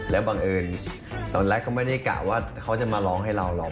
แล้วบังเอิญตอนแรกก็ไม่ได้กะว่าเขาจะมาร้องให้เราหรอก